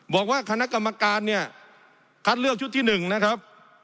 บอกว่าคณะกรรมการเนี่ยคัดเลือกชุดที่๑นะครับ